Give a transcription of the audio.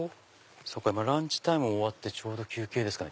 そうか今ランチタイム終わってちょうど休憩ですかね。